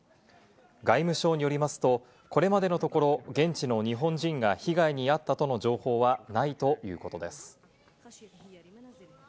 外務省によりますと、これまでのところ、現地の日本人が被害に遭ったとの情報はないということです。